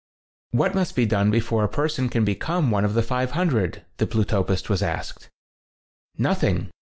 "What must be done before a per son can become one of the 500?" the Plutopist was asked. "Nothing.